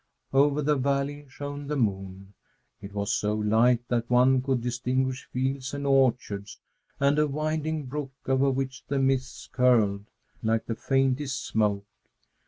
Over the valley shone the moon. It was so light that one could distinguish fields and orchards and a winding brook, over which the mists curled, like the faintest smoke.